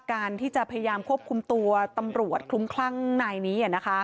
การที่จะพยายามควบคุมตัวตำรวจคลุ้มคลั่งนายนี้